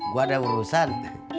gue ada urusan